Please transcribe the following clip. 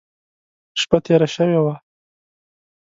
شپه تېره شوې وه.